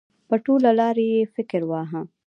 په ټوله لار یې فکر واهه.